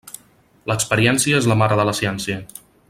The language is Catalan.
L'experiència és la mare de la ciència.